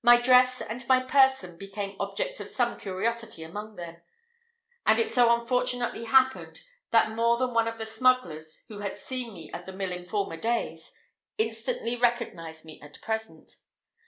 My dress and my person became objects of some curiosity among them; and it so unfortunately happened that more than one of the smugglers, who had seen me at the mill in former days, instantly recognised me at present.